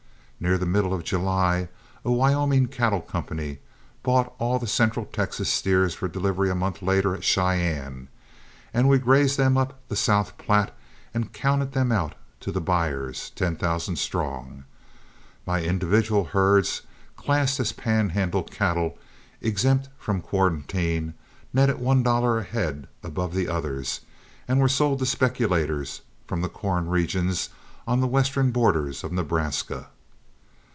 Near the middle of July a Wyoming cattle company bought all the central Texas steers for delivery a month later at Cheyenne, and we grazed them up the South Platte and counted them out to the buyers, ten thousand strong. My individual herds classed as Pan Handle cattle, exempt from quarantine, netted one dollar a head above the others, and were sold to speculators from the corn regions on the western borders of Nebraska.